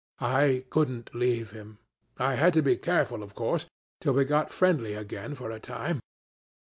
I couldn't leave him. I had to be careful, of course, till we got friendly again for a time.